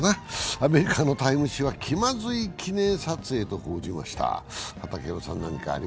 アメリカの「タイム」誌は気まずい記念撮影と報じました。